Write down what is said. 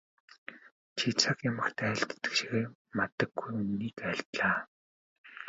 Чи цаг ямагт айлддаг шигээ мадаггүй үнэнийг айлдлаа.